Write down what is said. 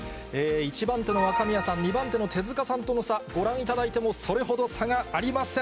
１番手の若宮さん、２番手の手塚さんとの差、ご覧いただいてもそれほど差がありません。